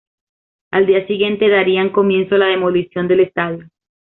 Al día siguiente darían comienzo la demolición del estadio.